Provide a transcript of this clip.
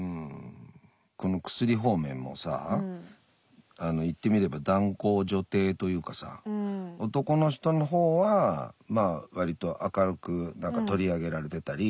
この薬方面もさ言ってみれば男高女低というかさ男の人の方はまあわりと明るく取り上げられてたり手に入りやすかったり。